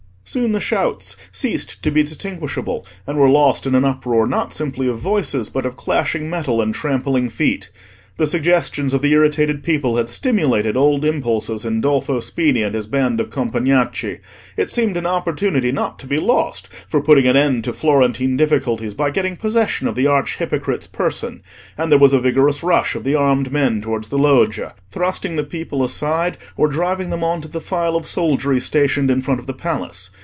Soon the shouts ceased to be distinguishable, and were lost in an uproar not simply of voices, but of clashing metal and trampling feet. The suggestions of the irritated people had stimulated old impulses in Dolfo Spini and his band of Compagnacci; it seemed an opportunity not to be lost for putting an end to Florentine difficulties by getting possession of the arch hypocrite's person; and there was a vigorous rush of the armed men towards the Loggia, thrusting the people aside, or driving them on to the file of soldiery stationed in front of the Palace.